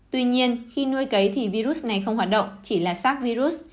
tuy nhiên khi nuôi cấy thì virus này không hoạt động chỉ là sars virus